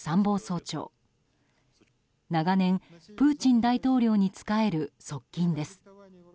長年、プーチン大統領に仕える側近です。